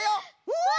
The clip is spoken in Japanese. うわ！